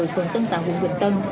vườn tân tạo quận bình tân